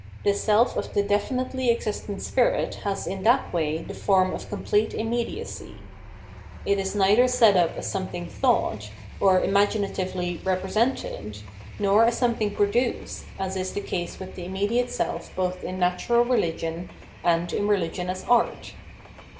The self of the definitely existent spirit has in that way the form of complete immediacy. It is neither set up as something thought, or imaginatively repre sented, nor as somethiag produced, as is the case with the immediate self both in natural rehgion, and in religion as art.